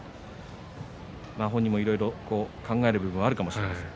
本人も、いろいろ考える部分があるかもしれません。